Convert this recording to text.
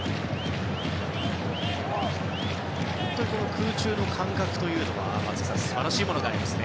空中の感覚というのは素晴らしいものがありますね。